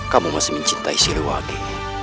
kamu masih mencintai siliwangi